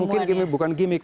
mungkin gimmick bukan gimmick